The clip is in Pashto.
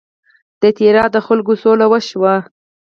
د تیرا د خلکو سوله وشي.